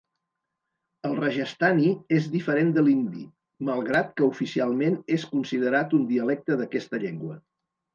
El rajasthani és diferent de l'hindi, malgrat que oficialment és considerat un dialecte d'aquesta llengua.